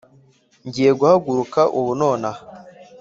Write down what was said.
Ngiye guhaguruka ubu nonaha,